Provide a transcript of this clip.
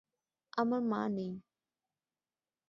আমার মা নেই।